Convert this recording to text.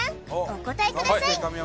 お答えください